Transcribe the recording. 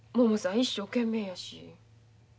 一生懸命やし。